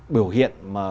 biểu hiện mà